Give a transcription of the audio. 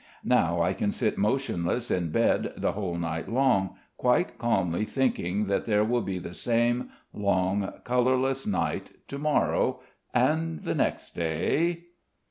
Now I can sit motionless in bed the whole night long, quite calmly thinking that there will be the same long, colourless night to morrow, and the next day....